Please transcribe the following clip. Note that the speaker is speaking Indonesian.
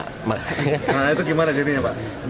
karena itu gimana jadinya pak